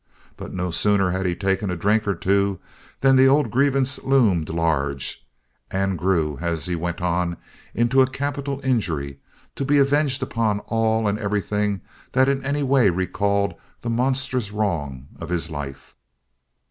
But no sooner had he taken a drink or two than the old grievance loomed large, and grew, as he went on, into a capital injury, to be avenged upon all and everything that in any way recalled the monstrous wrong of his life.